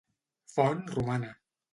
Font romana.